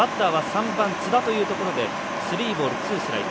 津田というところでスリーボール、ツーストライク。